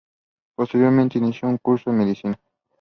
Posteriormente inició un curso en medicina.